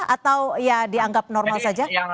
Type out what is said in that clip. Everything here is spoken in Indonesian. atau ya dianggap normal saja